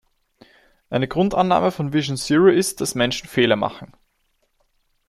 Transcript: Eine Grundannahme von Vision Zero ist, dass Menschen Fehler machen.